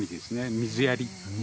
水やり？